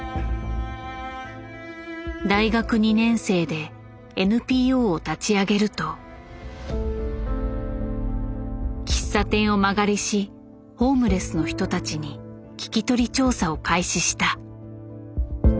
大学２年生でＮＰＯを立ち上げると喫茶店を間借りしホームレスの人たちに聞き取り調査を開始した。